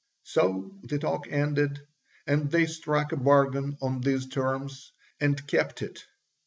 So the talk ended and they struck a bargain on these terms, and kept it.